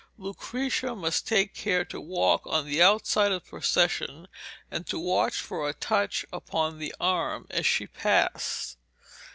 Lucrezia must take care to walk on the outside of the procession, and to watch for a touch upon the arm as she passed.